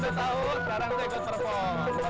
sekarang saya buat terpon